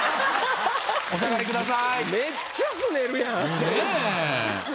お下がりください。ねぇ。